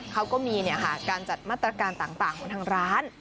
เขาก็มีการจัดมาตรการต่างของทางร้าน